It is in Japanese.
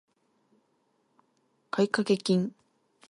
買掛金